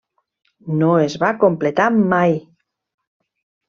No es va completar mai.